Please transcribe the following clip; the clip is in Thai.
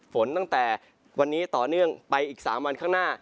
ฝนตั้งแต่วันนี้ต่อเนื่องไปอีก๓วันข้างหน้า